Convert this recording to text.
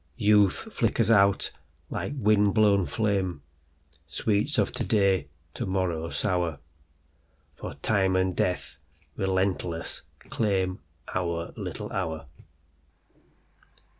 Youth flickers out like wind blown flame, Sweets of to day to morrow sour, For Time and Death, relentless, claimOur little hour.